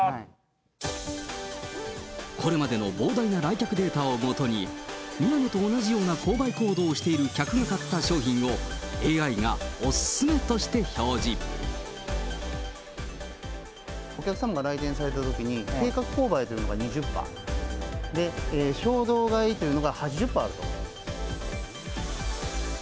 これまでの膨大な来客データを基に、宮根と同じような購買行動をしている客が買った商品を、お客様が来店されたときに、計画購買というのが２０％、で、衝動買いというのが８０％だったんですね。